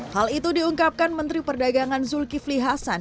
hal itu diungkapkan menteri perdagangan zulkifli hasan